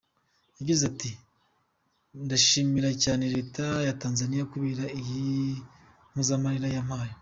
Yagize ati: Ndashimira cyane Reta ya Tanzaniya kubera iyi mpozamarira bampaye.